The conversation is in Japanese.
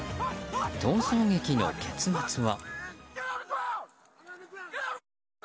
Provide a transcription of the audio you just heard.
逃走劇の結末は。